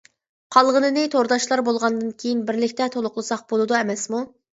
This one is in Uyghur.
قالغىنىنى تورداشلار بولغاندىن كېيىن بىرلىكتە تولۇقلىساق بولىدۇ ئەمەسمۇ.